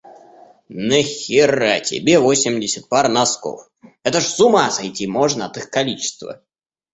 Нахера тебе восемьдесят пар носков? Это ж с ума сойти можно от их количества!